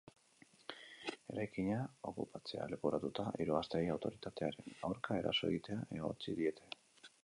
Eraikina opkupatzea leporatuta, hiru gazteei autoritatearen aurka eraso egitea egotzi diete.